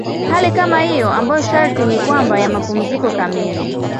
Hali kama hiyo ambayo sharti ni kwamba ya mapumziko kamili.